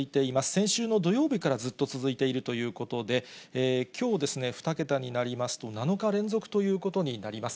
先週の土曜日からずっと続いているということで、きょう２桁になりますと、７日連続ということになります。